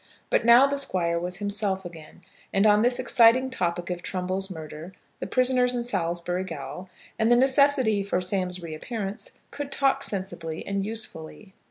But now the Squire was himself again, and on this exciting topic of Trumbull's murder, the prisoners in Salisbury gaol, and the necessity for Sam's reappearance, could talk sensibly and usefully.